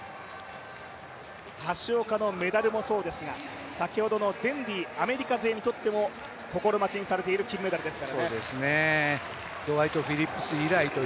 橋岡のメダルもそうですが、先ほどのデンディーアメリカ勢にとっても心待ちにされている金メダルですから。